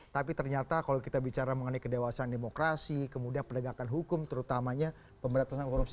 tapi ternyata kalau kita bicara mengenai kedewasan demokrasi kemudian penegakan hukum terutamanya pemberantasan korupsi